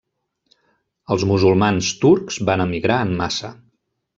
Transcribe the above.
Els musulmans turcs van emigrar en massa.